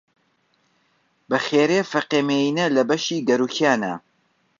بە خێرێ فەقێ مینە لە بەشی گەورکیانە